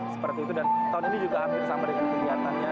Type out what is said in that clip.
seperti itu dan tahun ini juga hampir sama dengan kegiatannya